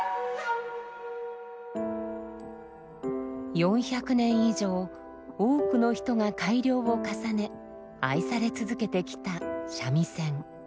４００年以上多くの人が改良を重ね愛され続けてきた三味線。